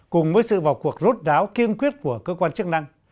cùng với sự vào cuộc rốt ráo kiên quyết của cơ quan chức năng